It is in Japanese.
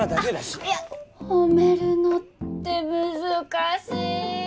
褒めるのって難しい。